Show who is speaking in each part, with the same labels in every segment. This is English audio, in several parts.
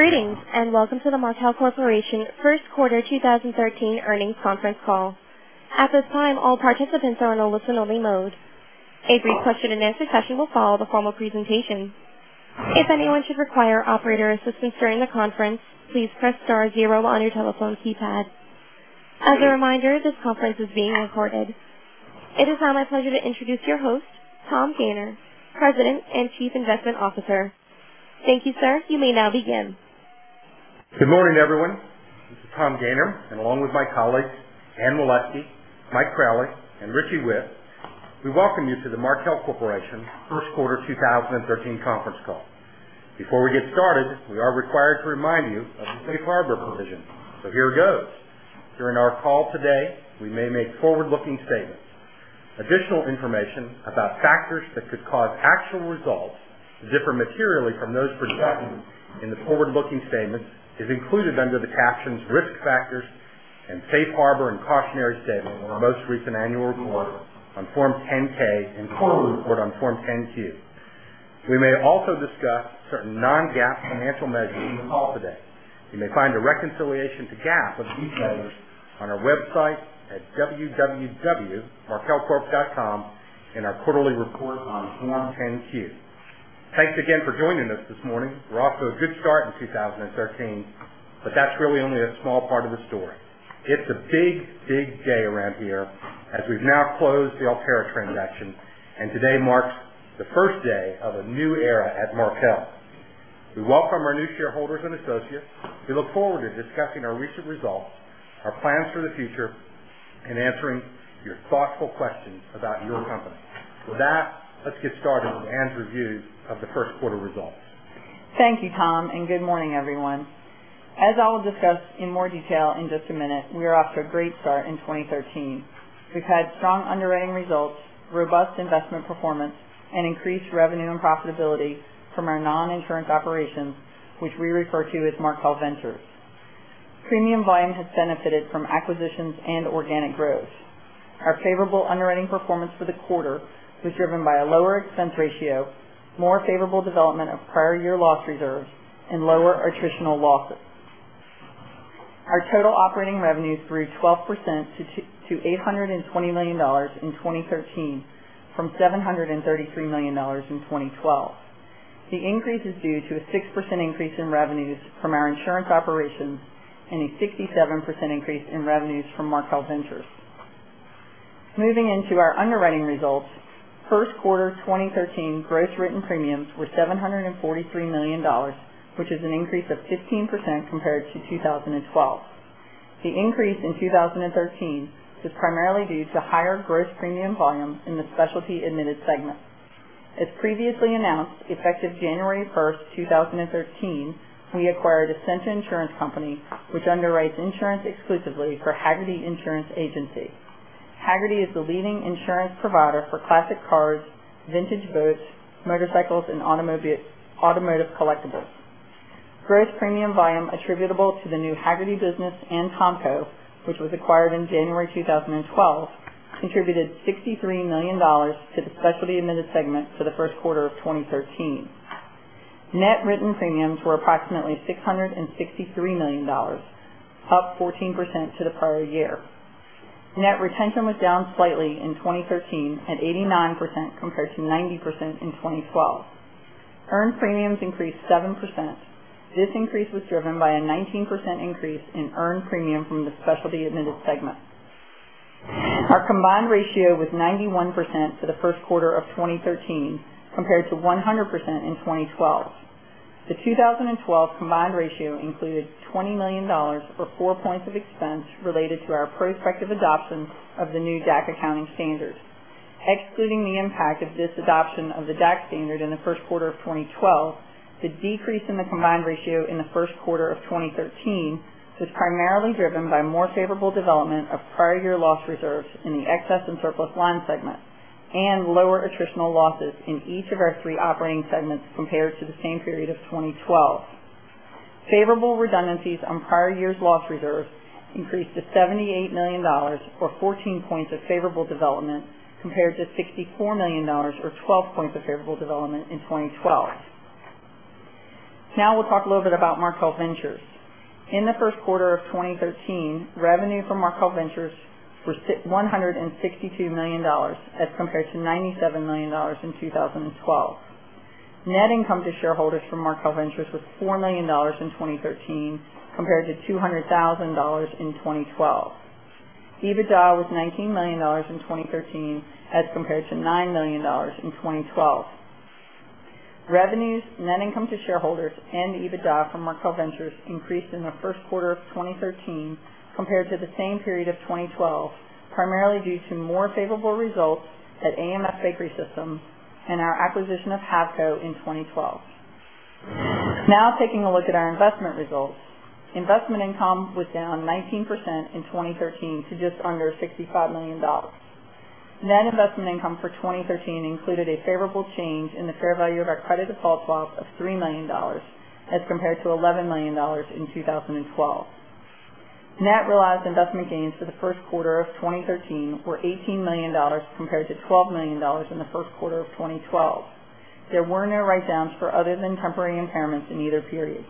Speaker 1: Greetings, welcome to the Markel Corporation first quarter 2013 earnings conference call. At this time, all participants are in listen only mode. A brief question and answer session will follow the formal presentation. If anyone should require operator assistance during the conference, please press star zero on your telephone keypad. As a reminder, this conference is being recorded. It is now my pleasure to introduce your host, Tom Gayner, President and Chief Investment Officer. Thank you, sir. You may now begin.
Speaker 2: Good morning, everyone. This is Tom Gayner, and along with my colleagues, Anne Waleski, Mike Crowley, and Richie Witt, we welcome you to the Markel Corporation first quarter 2013 conference call. Before we get started, we are required to remind you of the safe harbor provision. Here it goes. During our call today, we may make forward-looking statements. Additional information about factors that could cause actual results to differ materially from those projected in the forward-looking statements is included under the captions risk factors in safe harbor and cautionary statement in our most recent annual report on Form 10-K and quarterly report on Form 10-Q. We may also discuss certain non-GAAP financial measures in the call today. You may find a reconciliation to GAAP of these measures on our website at www.markelcorp.com in our quarterly report on Form 10-Q. Thanks again for joining us this morning. We're off to a good start in 2013, but that's really only a small part of the story. It's a big, big day around here as we've now closed the Alterra transaction, and today marks the first day of a new era at Markel. We welcome our new shareholders and associates. We look forward to discussing our recent results, our plans for the future, and answering your thoughtful questions about your company. With that, let's get started with Anne's review of the first quarter results.
Speaker 3: Thank you, Tom, good morning, everyone. As I will discuss in more detail in just a minute, we are off to a great start in 2013. We've had strong underwriting results, robust investment performance, and increased revenue and profitability from our non-insurance operations, which we refer to as Markel Ventures. Premium volume has benefited from acquisitions and organic growth. Our favorable underwriting performance for the quarter was driven by a lower expense ratio, more favorable development of prior year loss reserves, and lower attritional losses. Our total operating revenues grew 12% to $820 million in 2013 from $733 million in 2012. The increase is due to a 6% increase in revenues from our insurance operations and a 67% increase in revenues from Markel Ventures. Moving into our underwriting results, first quarter 2013 gross written premiums were $743 million, which is an increase of 15% compared to 2012. The increase in 2013 was primarily due to higher gross premium volume in the specialty admitted segment. As previously announced, effective January 1st, 2013, we acquired Essentia Insurance Company, which underwrites insurance exclusively for Hagerty Insurance Agency. Hagerty is the leading insurance provider for classic cars, vintage boats, motorcycles, and automotive collectibles. Gross premium volume attributable to the new Hagerty business and Thomco, which was acquired in January 2012, contributed $63 million to the specialty admitted segment for the first quarter of 2013. Net written premiums were approximately $663 million, up 14% to the prior year. Net retention was down slightly in 2013 at 89% compared to 90% in 2012. Earned premiums increased 7%. This increase was driven by a 19% increase in earned premium from the specialty admitted segment. Our combined ratio was 91% for the first quarter of 2013 compared to 100% in 2012. The 2012 combined ratio included $20 million or four points of expense related to our prospective adoption of the new DAC accounting standard. Excluding the impact of this adoption of the DAC standard in the first quarter of 2012, the decrease in the combined ratio in the first quarter of 2013 was primarily driven by more favorable development of prior year loss reserves in the excess and surplus line segment and lower attritional losses in each of our three operating segments compared to the same period of 2012. Favorable redundancies on prior year's loss reserves increased to $78 million, or 14 points of favorable development, compared to $64 million, or 12 points of favorable development in 2012. Now we'll talk a little bit about Markel Ventures. In the first quarter of 2013, revenue from Markel Ventures was $162 million as compared to $97 million in 2012. Net income to shareholders from Markel Ventures was $4 million in 2013 compared to $200,000 in 2012. EBITDA was $19 million in 2013 as compared to $9 million in 2012. Revenues, net income to shareholders, and EBITDA from Markel Ventures increased in the first quarter of 2013 compared to the same period of 2012, primarily due to more favorable results at AMF Bakery Systems and our acquisition of Pasco in 2012. Now taking a look at our investment results. Investment income was down 19% in 2013 to just under $65 million. Net investment income for 2013 included a favorable change in the fair value of our credit default swaps of $3 million as compared to $11 million in 2012. Net realized investment gains for the first quarter of 2013 were $18 million, compared to $12 million in the first quarter of 2012. There were no write-downs for other than temporary impairments in either period.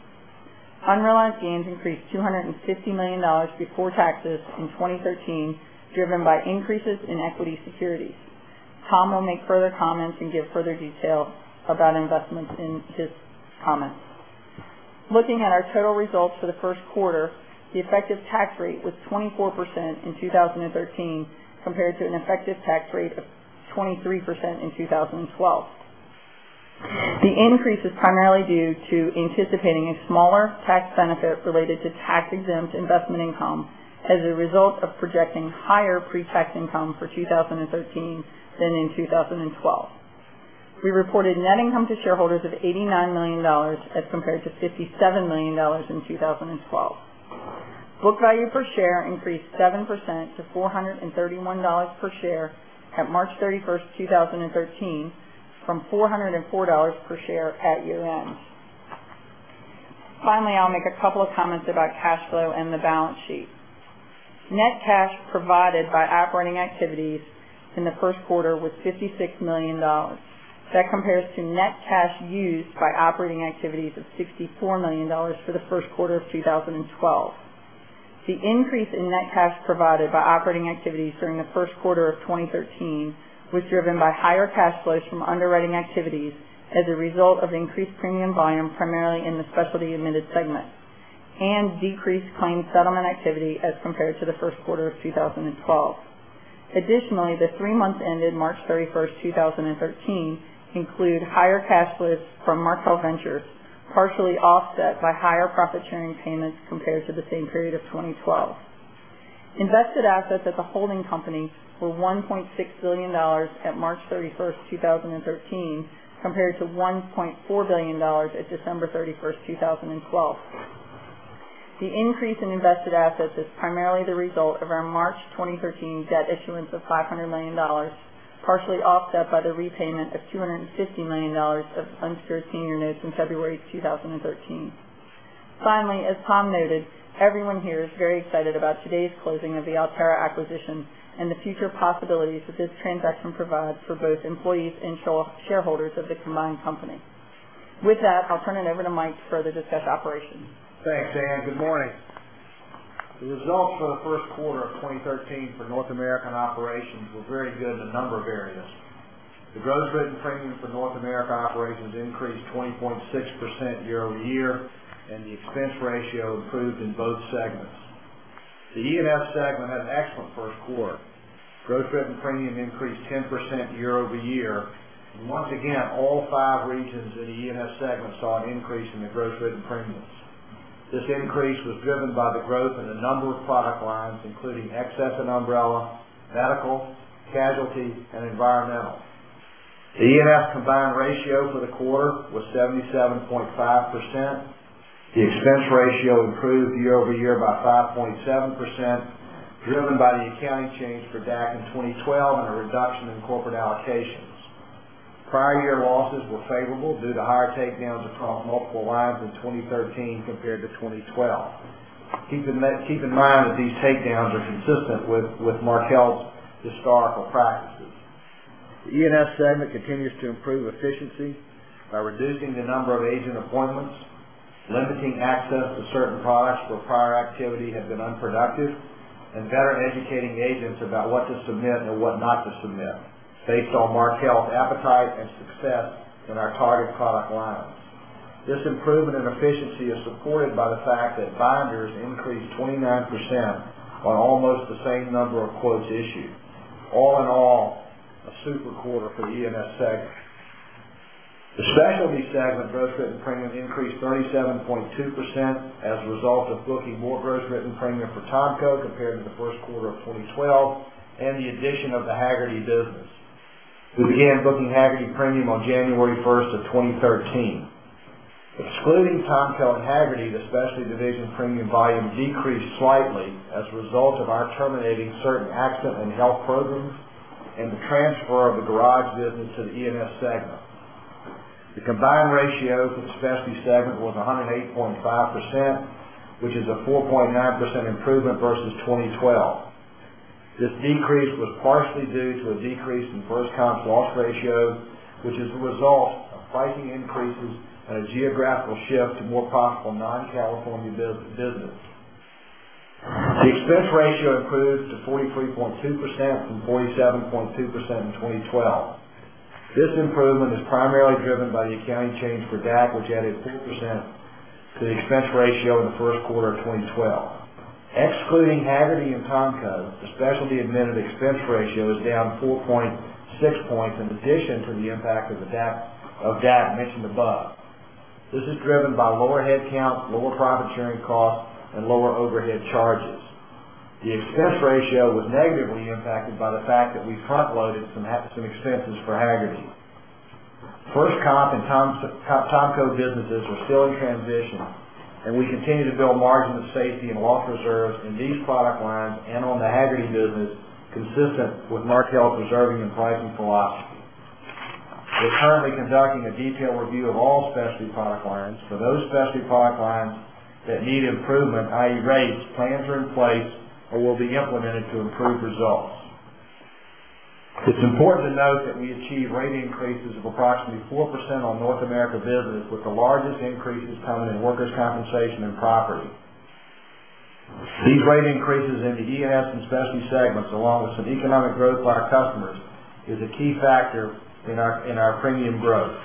Speaker 3: Unrealized gains increased $250 million before taxes in 2013, driven by increases in equity securities. Tom will make further comments and give further details about investments in his comments. Looking at our total results for the first quarter, the effective tax rate was 24% in 2013, compared to an effective tax rate of 23% in 2012. The increase is primarily due to anticipating a smaller tax benefit related to tax-exempt investment income as a result of projecting higher pre-tax income for 2013 than in 2012. We reported net income to shareholders of $89 million as compared to $57 million in 2012. Book value per share increased 7% to $431 per share at March 31st, 2013, from $404 per share at year-end. Finally, I'll make a couple of comments about cash flow and the balance sheet. Net cash provided by operating activities in the first quarter was $56 million. That compares to net cash used by operating activities of $64 million for the first quarter of 2012. The increase in net cash provided by operating activities during the first quarter of 2013 was driven by higher cash flows from underwriting activities as a result of increased premium volume, primarily in the specialty admitted segment, and decreased claim settlement activity as compared to the first quarter of 2012. Additionally, the three months ended March 31st, 2013, include higher cash flows from Markel Ventures, partially offset by higher profit-sharing payments compared to the same period of 2012. Invested assets at the holding company were $1.6 billion at March 31st, 2013, compared to $1.4 billion at December 31st, 2012. The increase in invested assets is primarily the result of our March 2013 debt issuance of $500 million, partially offset by the repayment of $250 million of unsecured senior notes in February 2013. As Tom noted, everyone here is very excited about today's closing of the Alterra acquisition and the future possibilities that this transaction provides for both employees and shareholders of the combined company. With that, I'll turn it over to Mike to further discuss operations.
Speaker 4: Thanks, Anne. Good morning. The results for the first quarter of 2013 for North American operations were very good in a number of areas. The gross written premiums for North America operations increased 20.6% year-over-year. The expense ratio improved in both segments. The E&S segment had an excellent first quarter. Gross written premium increased 10% year-over-year. Once again, all five regions in the E&S segment saw an increase in the gross written premiums. This increase was driven by the growth in a number of product lines, including excess and umbrella, medical, casualty, and environmental. The E&S combined ratio for the quarter was 77.5%. The expense ratio improved year-over-year by 5.7%, driven by the accounting change for DAC in 2012 and a reduction in corporate allocations. Prior year losses were favorable due to higher takedowns across multiple lines in 2013 compared to 2012. Keep in mind that these takedowns are consistent with Markel's historical practices. The E&S segment continues to improve efficiency by reducing the number of agent appointments, limiting access to certain products where prior activity had been unproductive, and better educating agents about what to submit and what not to submit based on Markel's appetite and success in our target product lines. This improvement in efficiency is supported by the fact that binders increased 29% on almost the same number of quotes issued. All in all, a super quarter for the E&S segment. The specialty segment gross written premium increased 37.2% as a result of booking more gross written premium for Thomco compared to the first quarter of 2012 and the addition of the Hagerty business. We began booking Hagerty premium on January 1st of 2013. Excluding Thomco and Hagerty, the specialty division premium volume decreased slightly as a result of our terminating certain accident and health programs and the transfer of the garage business to the E&S segment. The combined ratio for the specialty segment was 108.5%, which is a 4.9% improvement versus 2012. This decrease was partially due to a decrease in FirstComp loss ratio, which is the result of pricing increases and a geographical shift to more profitable non-California business. The expense ratio improved to 43.2% from 47.2% in 2012. This improvement is primarily driven by the accounting change for DAC, which added 4% to the expense ratio in the first quarter of 2012. Excluding Hagerty and Thomco, the specialty admitted expense ratio is down 4.6 points in addition from the impact of DAC mentioned above. This is driven by lower head counts, lower profit sharing costs, and lower overhead charges. The expense ratio was negatively impacted by the fact that we front-loaded some expenses for Hagerty. FirstComp and Thomco businesses are still in transition, and we continue to build margin of safety and loss reserves in these product lines and on the Hagerty business, consistent with Markel's reserving and pricing philosophy. We're currently conducting a detailed review of all specialty product lines. For those specialty product lines that need improvement, i.e., rates, plans are in place or will be implemented to improve results. It's important to note that we achieved rate increases of approximately 4% on North America business, with the largest increases coming in workers' compensation and property. These rate increases in the E&S and specialty segments, along with some economic growth by our customers, is a key factor in our premium growth.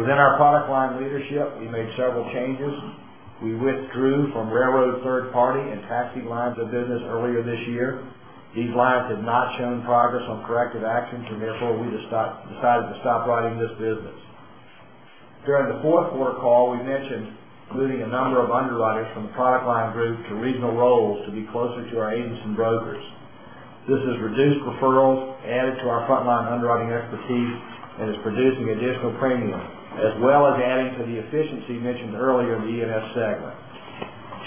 Speaker 4: Within our product line leadership, we made several changes. We withdrew from railroad third party and taxi lines of business earlier this year. These lines have not shown progress on corrective actions, therefore, we decided to stop writing this business. During the fourth quarter call, we mentioned moving a number of underwriters from the product line group to regional roles to be closer to our agents and brokers. This has reduced referrals, added to our frontline underwriting expertise, is producing additional premium, as well as adding to the efficiency mentioned earlier in the E&S segment.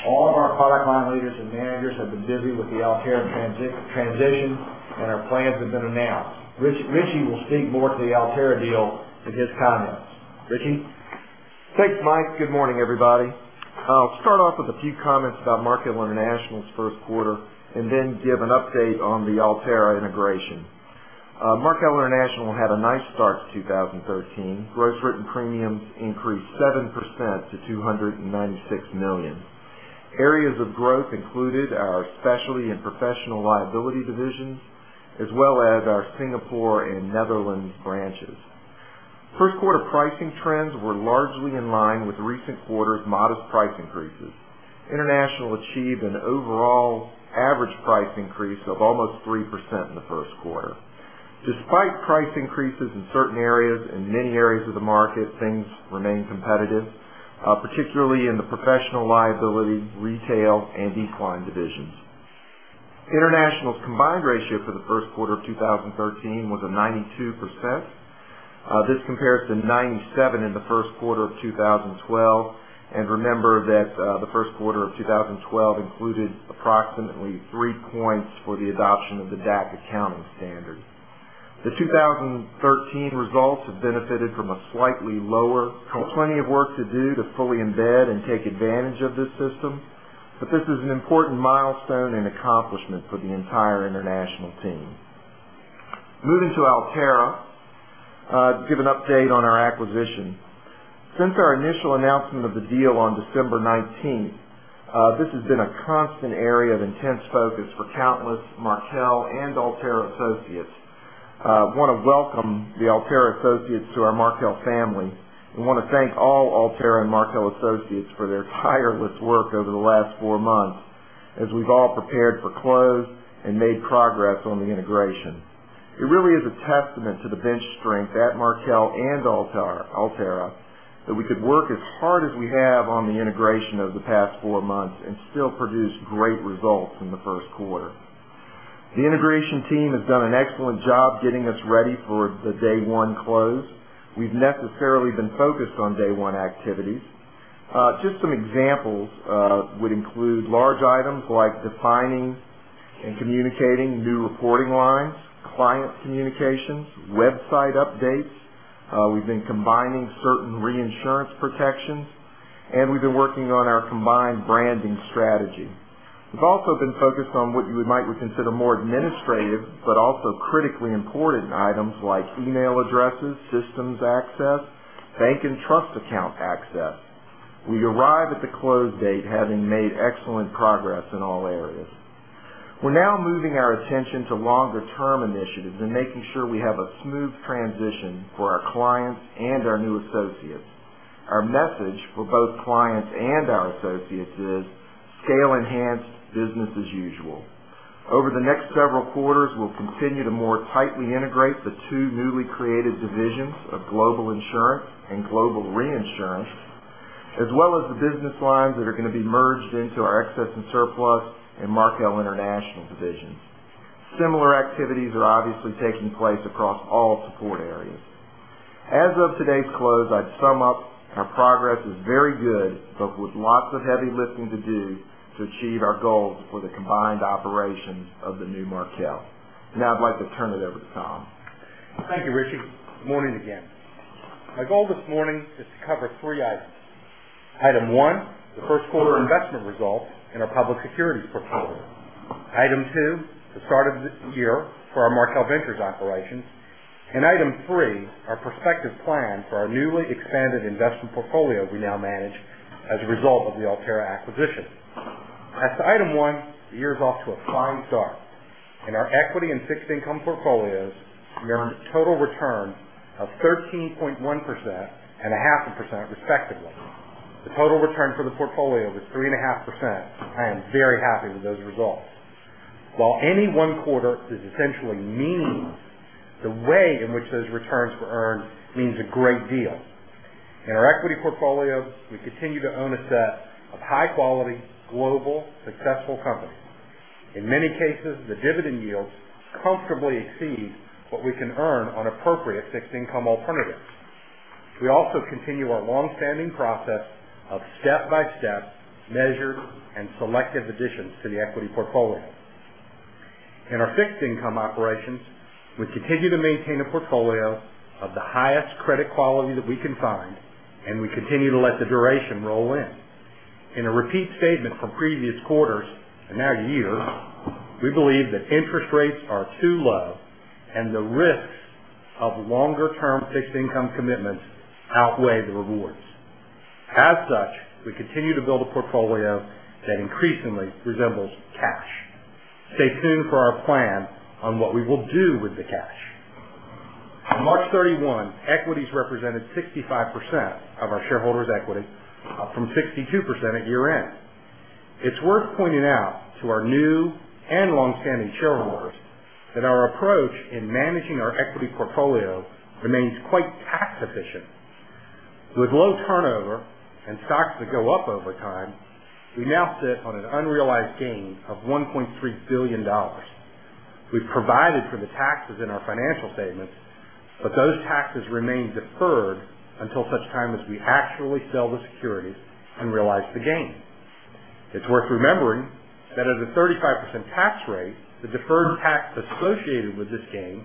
Speaker 4: All of our product line leaders and managers have been busy with the Alterra transition, our plans have been announced. Richie will speak more to the Alterra deal in his comments. Richie?
Speaker 5: Thanks, Mike. Good morning, everybody. I'll start off with a few comments about Markel International's first quarter, then give an update on the Alterra integration. Markel International had a nice start to 2013. Gross written premiums increased 7% to $296 million. Areas of growth included our specialty and professional liability divisions, as well as our Singapore and Netherlands branches. First quarter pricing trends were largely in line with recent quarters' modest price increases. International achieved an overall average price increase of almost 3% in the first quarter. Despite price increases in certain areas, in many areas of the market, things remain competitive, particularly in the professional liability, retail, and [declining divisions]. International's combined ratio for the first quarter of 2013 was a 92%. This compares to 97 in the first quarter of 2012. Remember that the first quarter of 2012 included approximately three points for the adoption of the DAC accounting standard. The 2013 results have benefited from a slightly lower. Plenty of work to do to fully embed and take advantage of this system, but this is an important milestone and accomplishment for the entire international team. Moving to Alterra to give an update on our acquisition. Since our initial announcement of the deal on December 19th, this has been a constant area of intense focus for countless Markel and Alterra associates. I want to welcome the Alterra associates to our Markel family and want to thank all Alterra and Markel associates for their tireless work over the last four months as we've all prepared for close and made progress on the integration. It really is a testament to the bench strength at Markel and Alterra that we could work as hard as we have on the integration over the past four months and still produce great results in the first quarter. The integration team has done an excellent job getting us ready for the day one close. We've necessarily been focused on day one activities. Just some examples would include large items like defining and communicating new reporting lines, client communications, website updates. We've been combining certain reinsurance protections, and we've been working on our combined branding strategy. We've also been focused on what you might consider more administrative but also critically important items like email addresses, systems access, bank and trust account access. We arrive at the close date having made excellent progress in all areas. We're now moving our attention to longer-term initiatives and making sure we have a smooth transition for our clients and our new associates. Our message for both clients and our associates is scale-enhanced business as usual. Over the next several quarters, we'll continue to more tightly integrate the two newly created divisions of global insurance and Global Reinsurance, as well as the business lines that are going to be merged into our excess and surplus and Markel International divisions. Similar activities are obviously taking place across all support areas. As of today's close, I'd sum up our progress is very good, but with lots of heavy lifting to do to achieve our goals for the combined operations of the new Markel. I'd like to turn it over to Tom.
Speaker 2: Thank you, Richie. Morning again. My goal this morning is to cover three items. Item 1, the first quarter investment results in our public securities portfolio. Item 2, the start of the year for our Markel Ventures operations. Item 3, our prospective plan for our newly expanded investment portfolio we now manage as a result of the Alterra acquisition. As to Item 1, the year is off to a fine start. In our equity and fixed income portfolios, we earned a total return of 13.1% and a half a percent, respectively. The total return for the portfolio was 3.5%, and I am very happy with those results. While any one quarter is essentially mean, the way in which those returns were earned means a great deal. In our equity portfolio, we continue to own a set of high-quality, global, successful companies. In many cases, the dividend yields comfortably exceed what we can earn on appropriate fixed income alternatives. We also continue our longstanding process of step-by-step, measured, and selective additions to the equity portfolio. In our fixed income operations, we continue to maintain a portfolio of the highest credit quality that we can find. We continue to let the duration roll in. In a repeat statement from previous quarters and now year, we believe that interest rates are too low and the risks of longer-term fixed income commitments outweigh the rewards. As such, we continue to build a portfolio that increasingly resembles cash. Stay tuned for our plan on what we will do with the cash. On March 31, equities represented 65% of our shareholders' equity up from 62% at year-end. It's worth pointing out to our new and long-standing shareholders that our approach in managing our equity portfolio remains quite tax efficient. With low turnover and stocks that go up over time, we now sit on an unrealized gain of $1.3 billion. We've provided for the taxes in our financial statements. Those taxes remain deferred until such time as we actually sell the securities and realize the gain. It's worth remembering that at a 35% tax rate, the deferred tax associated with this gain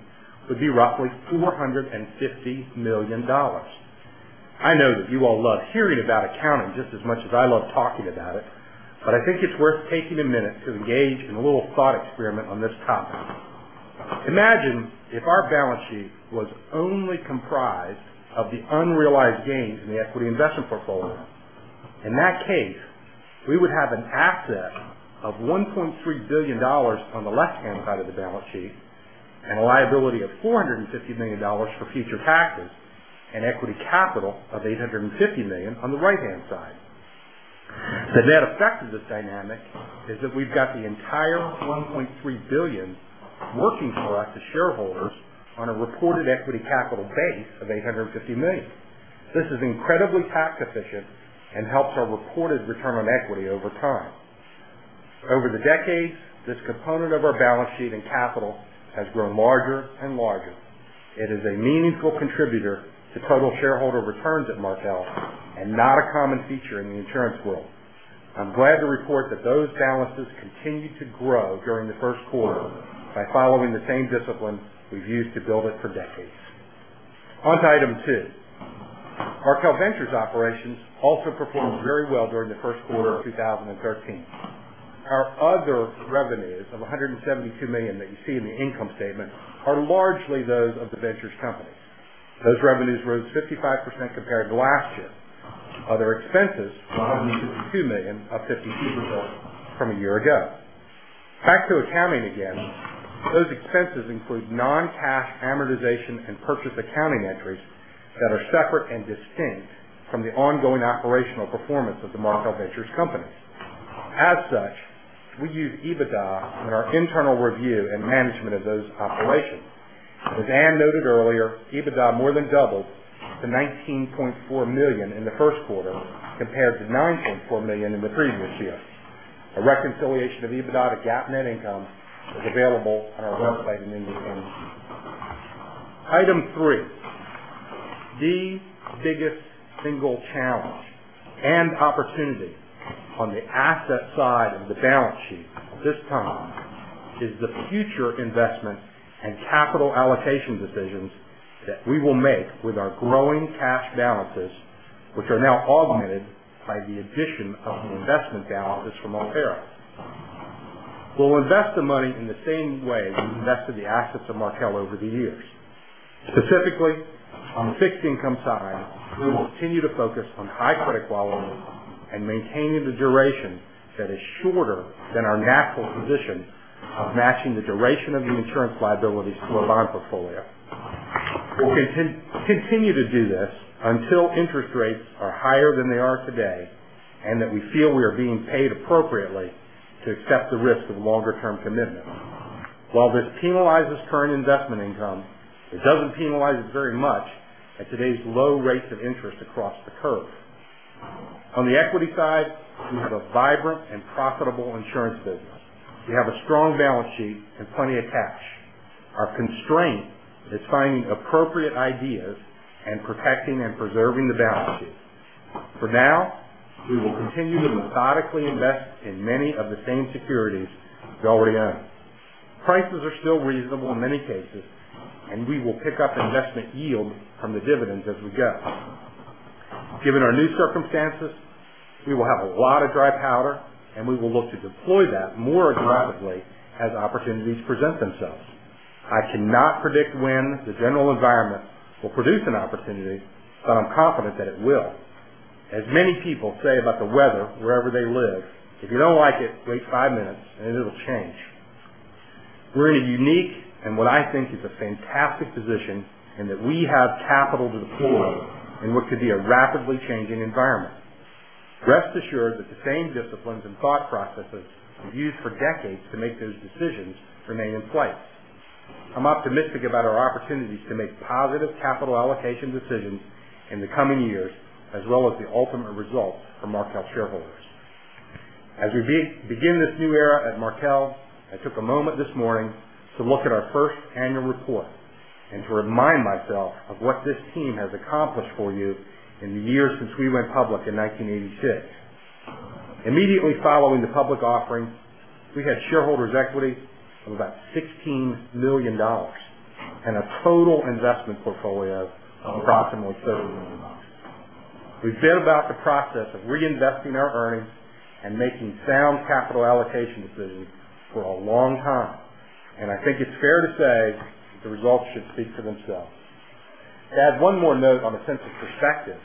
Speaker 2: would be roughly $450 million. I know that you all love hearing about accounting just as much as I love talking about it. I think it's worth taking a minute to engage in a little thought experiment on this topic. Imagine if our balance sheet was only comprised of the unrealized gains in the equity investment portfolio. In that case, we would have an asset of $1.3 billion on the left-hand side of the balance sheet and a liability of $450 million for future taxes and equity capital of $850 million on the right-hand side. The net effect of this dynamic is that we've got the entire $1.3 billion working for us as shareholders on a reported equity capital base of $850 million. This is incredibly tax efficient and helps our reported return on equity over time. Over the decades, this component of our balance sheet and capital has grown larger and larger. It is a meaningful contributor to total shareholder returns at Markel and not a common feature in the insurance world. I'm glad to report that those balances continued to grow during the first quarter by following the same discipline we've used to build it for decades. On to item two. Markel Ventures operations also performed very well during the first quarter of 2013. Our other revenues of $172 million that you see in the income statement are largely those of the Ventures company. Those revenues rose 55% compared to last year. Other expenses, $152 million, up 52% from a year ago. Back to accounting again, those expenses include non-cash amortization and purchase accounting entries that are separate and distinct from the ongoing operational performance of the Markel Ventures company. As such, we use EBITDA in our internal review and management of those operations. As Anne noted earlier, EBITDA more than doubled to $19.4 million in the first quarter compared to $9.4 million in the previous year. A reconciliation of EBITDA to GAAP net income is available on our website in the earnings. Item three, the biggest single challenge and opportunity on the asset side of the balance sheet at this time is the future investment and capital allocation decisions that we will make with our growing cash balances, which are now augmented by the addition of the investment balances from Alterra. We'll invest the money in the same way we've invested the assets of Markel over the years. Specifically, on the fixed income side, we will continue to focus on high credit quality and maintaining the duration that is shorter than our natural position of matching the duration of the insurance liabilities to our bond portfolio. We'll continue to do this until interest rates are higher than they are today and that we feel we are being paid appropriately to accept the risk of longer-term commitments. While this penalizes current investment income, it doesn't penalize it very much at today's low rates of interest across the curve. On the equity side, we have a vibrant and profitable insurance business. We have a strong balance sheet and plenty of cash. Our constraint is finding appropriate ideas and protecting and preserving the balance sheet. For now, we will continue to methodically invest in many of the same securities we already own. Prices are still reasonable in many cases, and we will pick up investment yield from the dividends as we go. Given our new circumstances, we will have a lot of dry powder, and we will look to deploy that more aggressively as opportunities present themselves. I cannot predict when the general environment will produce an opportunity, but I'm confident that it will. As many people say about the weather wherever they live, if you don't like it, wait five minutes and it'll change. We're in a unique and what I think is a fantastic position in that we have capital to deploy in what could be a rapidly changing environment. Rest assured that the same disciplines and thought processes we've used for decades to make those decisions remain in place. I'm optimistic about our opportunities to make positive capital allocation decisions in the coming years as well as the ultimate results for Markel shareholders. As we begin this new era at Markel, I took a moment this morning to look at our first annual report and to remind myself of what this team has accomplished for you in the years since we went public in 1986. Immediately following the public offering, we had shareholders' equity of about $16 million and a total investment portfolio of approximately $30 million. We've been about the process of reinvesting our earnings and making sound capital allocation decisions for a long time, and I think it's fair to say the results should speak for themselves. To add one more note on a sense of perspective,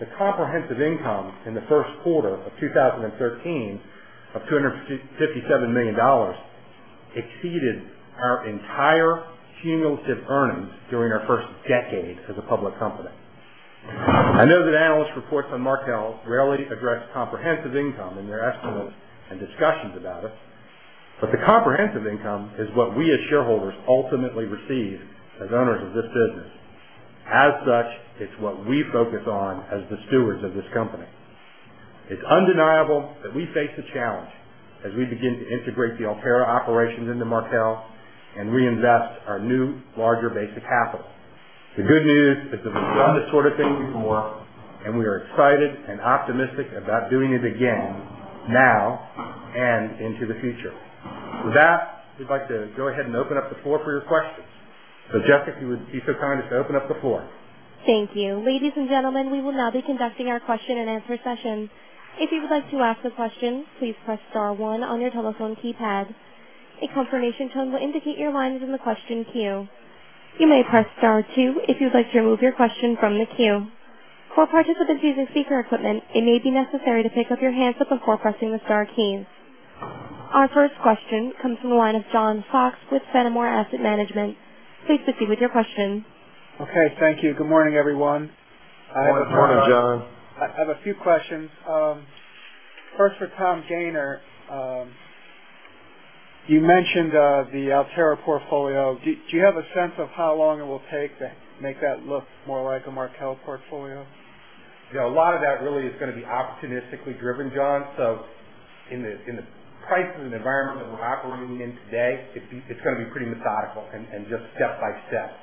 Speaker 2: the comprehensive income in the first quarter of 2013 of $257 million exceeded our entire cumulative earnings during our first decade as a public company. I know that analyst reports on Markel rarely address comprehensive income in their estimates and discussions about it, but the comprehensive income is what we as shareholders ultimately receive as owners of this business. As such, it's what we focus on as the stewards of this company. It's undeniable that we face a challenge as we begin to integrate the Alterra operations into Markel and reinvest our new, larger base of capital. The good news is that we've done this sort of thing before, and we are excited and optimistic about doing it again now and into the future. We'd like to go ahead and open up the floor for your questions. Jeff, if you would be so kind as to open up the floor.
Speaker 1: Thank you. Ladies and gentlemen, we will now be conducting our question and answer session. If you would like to ask a question, please press star one on your telephone keypad. A confirmation tone will indicate your line is in the question queue. You may press star two if you'd like to remove your question from the queue. For participants using speaker equipment, it may be necessary to pick up your handset before pressing the star keys. Our first question comes from the line of John Fox with Fenimore Asset Management. Please proceed with your question.
Speaker 6: Okay. Thank you. Good morning, everyone.
Speaker 2: Good morning, John.
Speaker 6: I have a few questions. First for Tom Gayner. You mentioned the Alterra portfolio. Do you have a sense of how long it will take to make that look more like a Markel portfolio?
Speaker 2: A lot of that really is going to be opportunistically driven, John. In the price and the environment that we're operating in today, it's going to be pretty methodical and just step by step.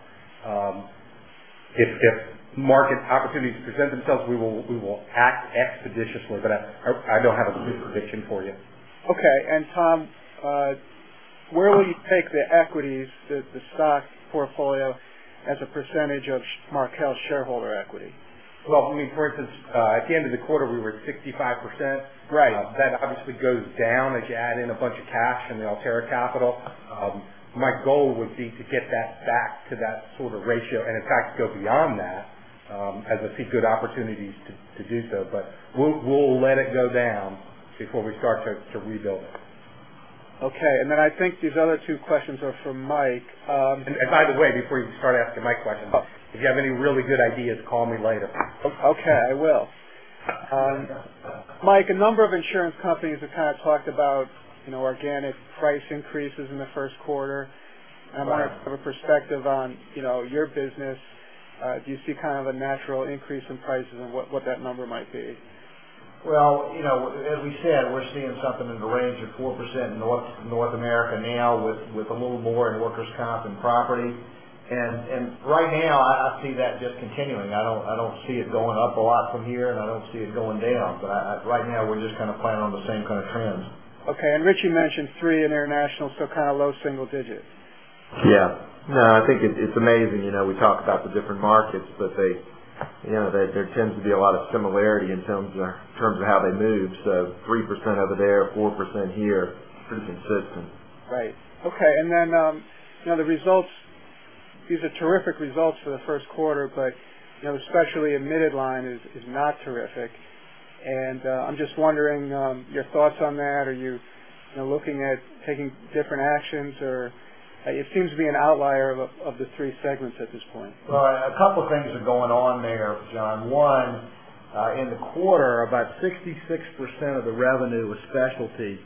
Speaker 2: If market opportunities present themselves, we will act expeditiously, but I don't have a good prediction for you.
Speaker 6: Okay. Tom, where will you take the equities, the stock portfolio as a percentage of Markel's shareholder equity?
Speaker 2: Well, for instance, at the end of the quarter, we were at 65%.
Speaker 6: Right.
Speaker 2: That obviously goes down as you add in a bunch of cash from the Alterra capital. My goal would be to get that back to that sort of ratio, and in fact, go beyond that, as I see good opportunities to do so. We'll let it go down before we start to rebuild it.
Speaker 6: Okay. I think these other two questions are for Mike.
Speaker 2: By the way, before you start asking Mike questions.
Speaker 6: Oh.
Speaker 2: If you have any really good ideas, call me later.
Speaker 6: Okay, I will. Mike, a number of insurance companies have kind of talked about organic price increases in the first quarter.
Speaker 4: Right.
Speaker 6: I wonder, from a perspective on your business, do you see kind of a natural increase in prices and what that number might be?
Speaker 4: Well, as we said, we're seeing something in the range of 4% in North America now with a little more in workers' comp and property. Right now, I see that just continuing. I don't see it going up a lot from here, and I don't see it going down. Right now, we're just kind of planning on the same kind of trends.
Speaker 6: Okay. Richie mentioned 3 in international, kind of low single digits.
Speaker 4: Yeah. No, I think it's amazing. We talk about the different markets, but there tends to be a lot of similarity in terms of how they move. 3% over there, 4% here, pretty consistent.
Speaker 6: Right. Okay. The results, these are terrific results for the first quarter, the specialty admitted line is not terrific, and I'm just wondering your thoughts on that. Are you looking at taking different actions? It seems to be an outlier of the three segments at this point.
Speaker 4: Right. A couple of things are going on there, John. One, in the quarter, about 66% of the revenue with specialty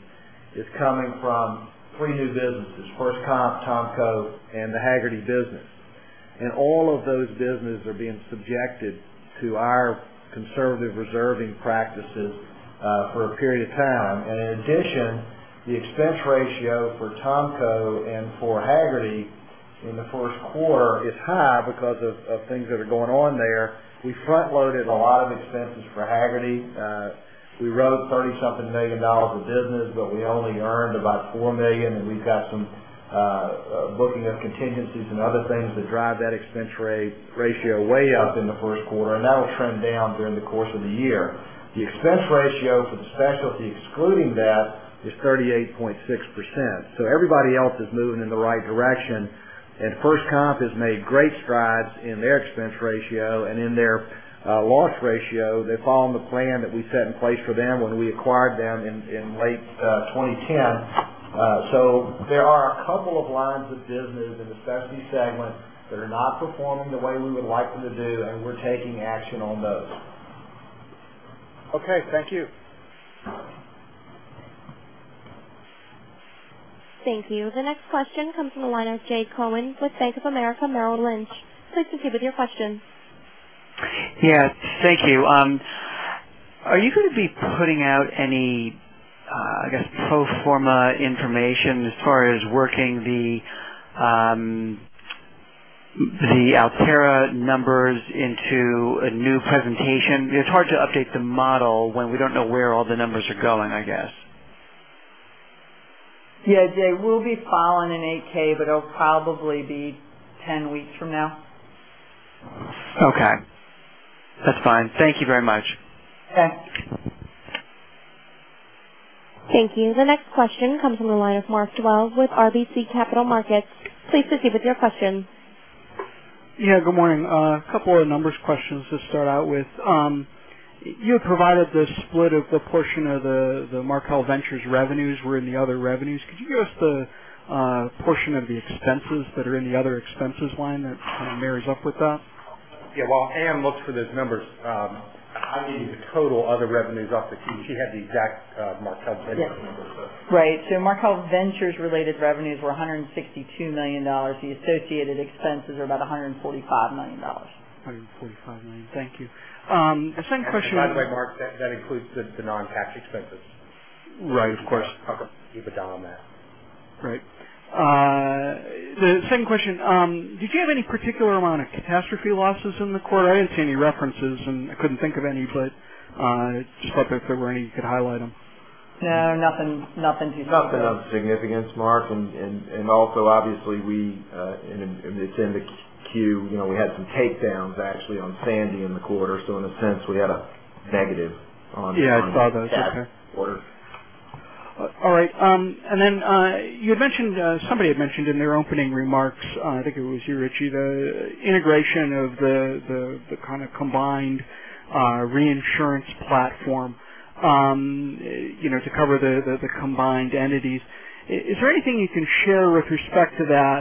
Speaker 4: is coming from three new businesses. FirstComp, Thomco, and the Hagerty business. All of those businesses are being subjected to our conservative reserving practices for a period of time. In addition, the expense ratio for Thomco and for Hagerty in the first quarter is high because of things that are going on there. We front-loaded a lot of expenses for Hagerty. We wrote $30-something million of business, but we only earned about $4 million, and we've got some booking of contingencies and other things that drive that expense ratio way up in the first quarter, and that'll trend down during the course of the year. The expense ratio for the specialty, excluding that, is 38.6%. Everybody else is moving in the right direction, and FirstComp has made great strides in their expense ratio and in their loss ratio. They're following the plan that we set in place for them when we acquired them in late 2010. There are a couple of lines of business in the specialty segment that are not performing the way we would like them to do, and we're taking action on those.
Speaker 6: Okay. Thank you.
Speaker 1: Thank you. The next question comes from the line of Jay Cohen with Bank of America Merrill Lynch. Please proceed with your question.
Speaker 7: Yes. Thank you. Are you going to be putting out any pro forma information as far as working the Alterra numbers into a new presentation? It's hard to update the model when we don't know where all the numbers are going, I guess.
Speaker 3: Jay, we'll be filing an 8-K, but it'll probably be 10 weeks from now.
Speaker 7: That's fine. Thank you very much.
Speaker 3: Okay.
Speaker 1: Thank you. The next question comes from the line of Mark Dwelle with RBC Capital Markets. Please proceed with your question.
Speaker 8: Good morning. A couple of numbers questions to start out with. You had provided the split of the portion of the Markel Ventures revenues were in the other revenues. Could you give us the portion of the expenses that are in the other expenses line that mirrors up with that?
Speaker 2: Yeah. While Anne looks for those numbers, I'm reading the total other revenues off the Form 10-Q. She had the exact Markel Ventures numbers.
Speaker 3: Right. Markel Ventures related revenues were $162 million. The associated expenses are about $145 million.
Speaker 8: $145 million. Thank you. Second question-
Speaker 2: By the way, Mark, that includes the non-tax expenses.
Speaker 8: Right. Of course.
Speaker 2: Keep a dial on that.
Speaker 8: Right. The second question, did you have any particular amount of catastrophe losses in the quarter? I didn't see any references, and I couldn't think of any, but just thought if there were any, you could highlight them.
Speaker 3: No, nothing too big.
Speaker 5: Nothing of significance, Mark. Also, obviously, it's in the queue. We had some takedowns actually on Hurricane Sandy in the quarter. In a sense, we had a negative.
Speaker 8: Yeah, I saw those. Okay.
Speaker 5: That quarter.
Speaker 8: All right. Then somebody had mentioned in their opening remarks, I think it was you, Richie, the integration of the kind of combined reinsurance platform to cover the combined entities. Is there anything you can share with respect to that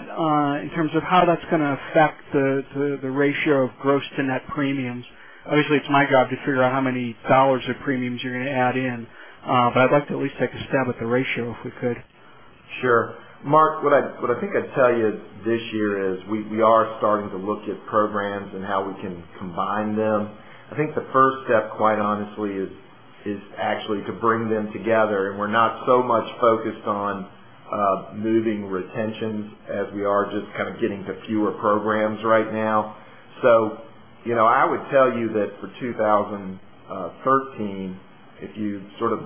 Speaker 8: in terms of how that's going to affect the ratio of gross to net premiums? Obviously, it's my job to figure out how many dollars of premiums you're going to add in. I'd like to at least take a stab at the ratio, if we could.
Speaker 5: Sure. Mark, what I think I'd tell you this year is we are starting to look at programs and how we can combine them. I think the first step, quite honestly, is actually to bring them together. We're not so much focused on moving retentions as we are just kind of getting to fewer programs right now. I would tell you that for 2013, if you sort of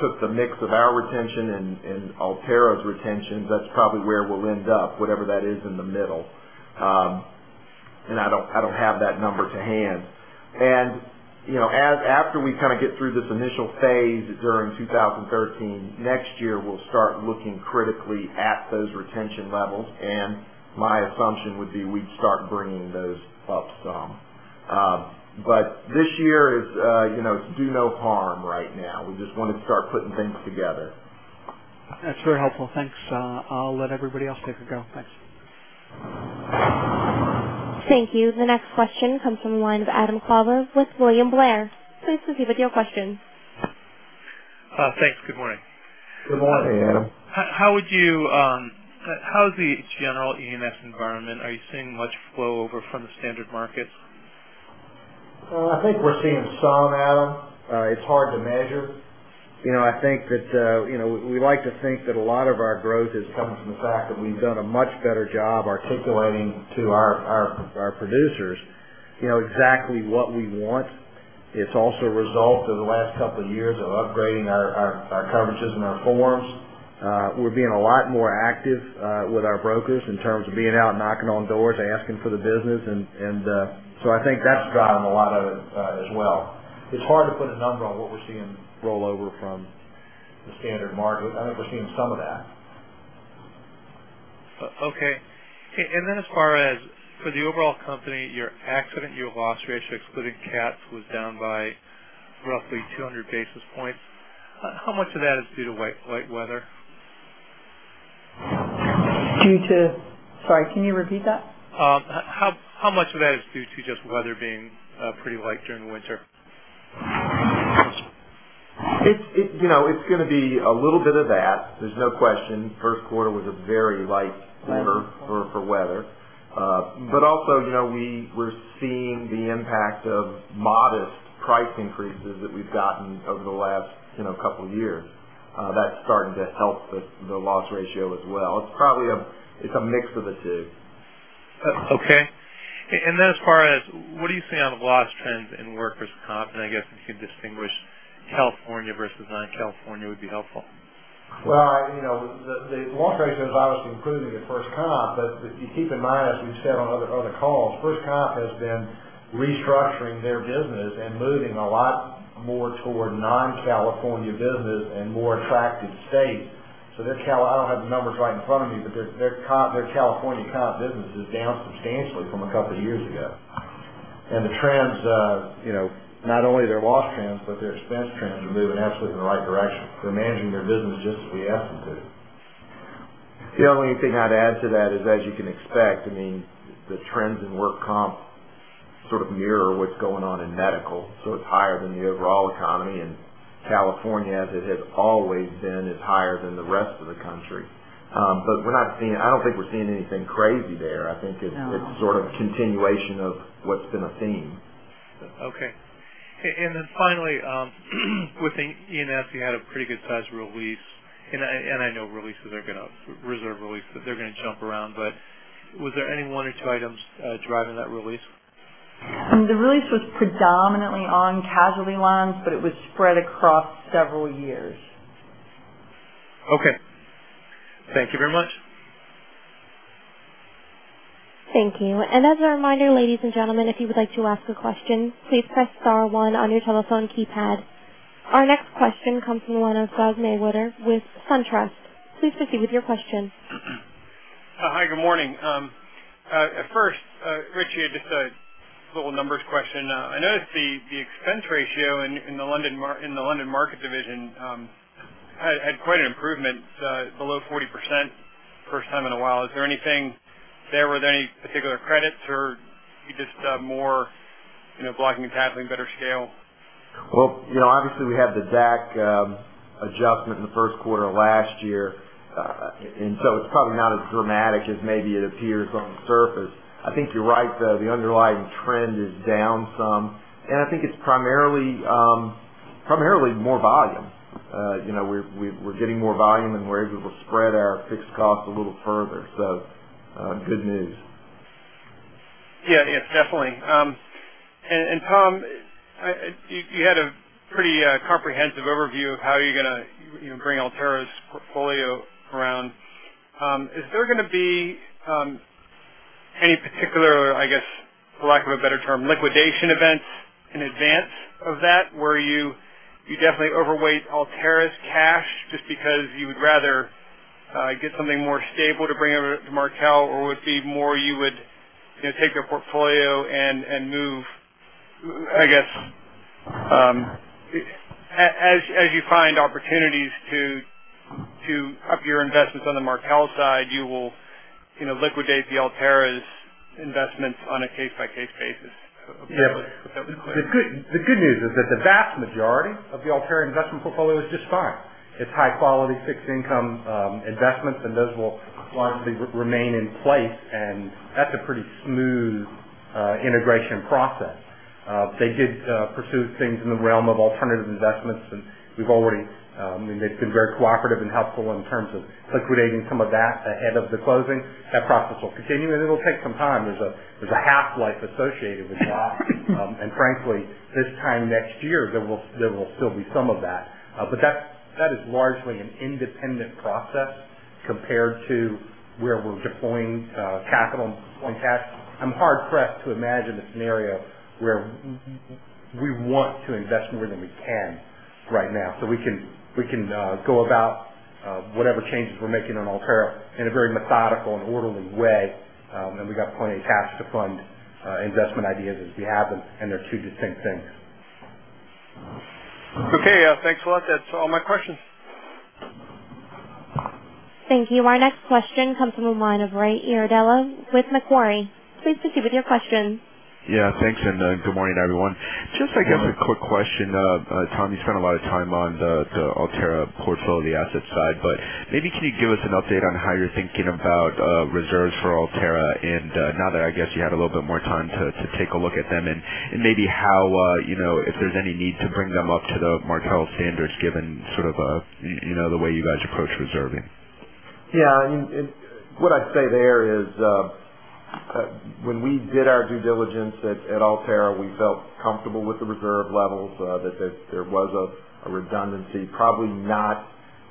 Speaker 5: took the mix of our retention and Alterra's retention, that's probably where we'll end up, whatever that is in the middle. I don't have that number to hand. After we kind of get through this initial phase during 2013, next year, we'll start looking critically at those retention levels, and my assumption would be we'd start bringing those up some. This year is do no harm right now. We just want to start putting things together.
Speaker 8: That's very helpful. Thanks. I'll let everybody else take a go. Thanks.
Speaker 1: Thank you. The next question comes from the line of Adam Klauber with William Blair. Please proceed with your question.
Speaker 9: Thanks. Good morning.
Speaker 4: Good morning, Adam.
Speaker 9: How is the general E&S environment? Are you seeing much flow over from the standard markets?
Speaker 4: I think we're seeing some, Adam. It's hard to measure. We like to think that a lot of our growth has come from the fact that we've done a much better job articulating to our producers exactly what we want. It's also a result of the last couple of years of upgrading our coverages and our forms. We're being a lot more active with our brokers in terms of being out, knocking on doors, asking for the business. I think that's driven a lot of it as well. It's hard to put a number on what we're seeing roll over from the standard market. I think we're seeing some of that.
Speaker 9: Okay. As far as for the overall company, your accident, your loss ratio, excluding cats, was down by roughly 200 basis points. How much of that is due to light weather?
Speaker 3: Due to? Sorry, can you repeat that?
Speaker 9: How much of that is due to just weather being pretty light during the winter?
Speaker 4: It's going to be a little bit of that. There's no question. First quarter was a very light quarter for weather. Also, we're seeing the impact of modest price increases that we've gotten over the last couple of years. That's starting to help the loss ratio as well. It's a mix of the two.
Speaker 9: Okay. Then as far as what are you seeing on the loss trends in workers' comp? I guess if you can distinguish California versus non-California would be helpful.
Speaker 4: The loss ratio is obviously improving at First Comp. If you keep in mind, as we've said on other calls, First Comp has been restructuring their business and moving a lot more toward non-California business and more attractive states. I don't have the numbers right in front of me, but their California comp business is down substantially from a couple of years ago. The trends, not only their loss trends, but their expense trends are moving absolutely in the right direction. They're managing their business just as we ask them to. The only thing I'd add to that is, as you can expect, the trends in work comp sort of mirror what's going on in medical. It's higher than the overall economy, and California, as it has always been, is higher than the rest of the country. I don't think we're seeing anything crazy there. No. I think it's sort of a continuation of what's been a theme.
Speaker 9: Okay. Finally, with the E&S, you had a pretty good-sized release. I know reserve releases are going to jump around, but were there any one or two items driving that release?
Speaker 3: The release was predominantly on casualty lines, it was spread across several years.
Speaker 9: Okay. Thank you very much.
Speaker 1: Thank you. As a reminder, ladies and gentlemen, if you would like to ask a question, please press star one on your telephone keypad. Our next question comes from the line of Doug Mewhirter with SunTrust. Please proceed with your question.
Speaker 10: Hi, good morning. First, Richie, just a little numbers question. I noticed the expense ratio in the London Market division had quite an improvement, below 40% for the first time in a while. Is there anything there? Were there any particular credits, or are you just more blocking and tackling, better scale?
Speaker 5: Well, obviously, we had the DAC adjustment in the first quarter of last year. It's probably not as dramatic as maybe it appears on the surface. I think you're right, though. The underlying trend is down some, and I think it's primarily more volume. We're getting more volume, and we're able to spread our fixed costs a little further. Good news.
Speaker 10: Yes, definitely. Tom, you had a pretty comprehensive overview of how you're going to bring Alterra's portfolio around. Is there going to be any particular, I guess, for lack of a better term, liquidation events in advance of that where you definitely overweight Alterra's cash just because you would rather get something more stable to bring over to Markel? Would it be more you would take their portfolio and move, I guess, as you find opportunities to up your investments on the Markel side, you will liquidate the Alterra's investments on a case-by-case basis?
Speaker 2: Yes.
Speaker 10: If that was clear.
Speaker 2: The good news is that the vast majority of the Alterra investment portfolio is just fine. It's high-quality fixed income investments, and those will largely remain in place, and that's a pretty smooth integration process. They did pursue things in the realm of alternative investments. They've been very cooperative and helpful in terms of liquidating some of that ahead of the closing. That process will continue, and it'll take some time. There's a half-life associated with that. Frankly, this time next year, there will still be some of that. That is largely an independent process compared to where we're deploying capital on cash. I'm hard-pressed to imagine a scenario where we want to invest more than we can right now. We can go about whatever changes we're making on Alterra in a very methodical and orderly way. We got plenty of cash to fund investment ideas as we have them, and they're two distinct things.
Speaker 10: Okay. Thanks a lot. That's all my questions.
Speaker 1: Thank you. Our next question comes from the line of Ray Iardella with Macquarie. Please proceed with your question.
Speaker 11: Thanks, and good morning, everyone. I guess a quick question. Tom, you spent a lot of time on the Alterra portfolio, the asset side. Maybe can you give us an update on how you're thinking about reserves for Alterra now that I guess you had a little bit more time to take a look at them? Maybe if there's any need to bring them up to the Markel standards, given the way you guys approach reserving?
Speaker 5: What I'd say there is when we did our due diligence at Alterra, we felt comfortable with the reserve levels, that there was a redundancy. Probably not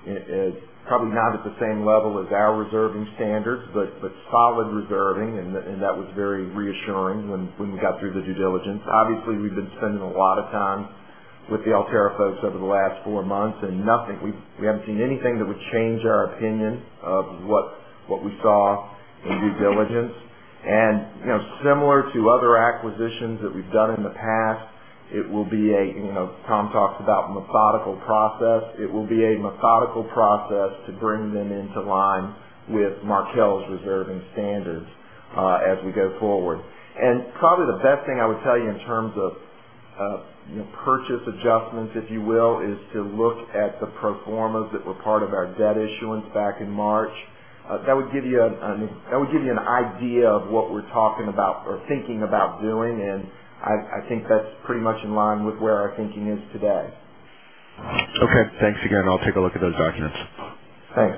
Speaker 5: at the same level as our reserving standards, but solid reserving, and that was very reassuring when we got through the due diligence. Obviously, we've been spending a lot of time with the Alterra folks over the last four months, and we haven't seen anything that would change our opinion of what we saw in due diligence. Similar to other acquisitions that we've done in the past, Tom talked about a methodical process. It will be a methodical process to bring them into line with Markel's reserving standards as we go forward. Probably the best thing I would tell you in terms of purchase adjustments, if you will, is to look at the pro formas that were part of our debt issuance back in March. That would give you an idea of what we're talking about or thinking about doing, and I think that's pretty much in line with where our thinking is today.
Speaker 11: Thanks again. I'll take a look at those documents.
Speaker 5: Thanks.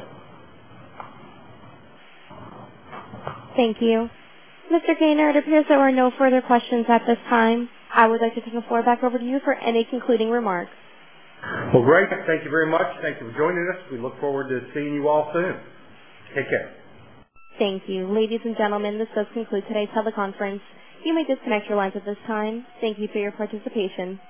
Speaker 1: Thank you. Mr. Gayner, it appears there are no further questions at this time. I would like to turn the floor back over to you for any concluding remarks.
Speaker 2: Well, great. Thank you very much. Thank you for joining us. We look forward to seeing you all soon. Take care.
Speaker 1: Thank you. Ladies and gentlemen, this does conclude today's teleconference. You may disconnect your lines at this time. Thank you for your participation.